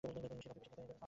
Coffee বেশিক্ষণ গরম থাকবে না।